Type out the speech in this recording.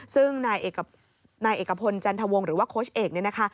ซึ่งนายเอกพลจันทวงหรือว่าโค้ชเอกเนี่ยนะคะ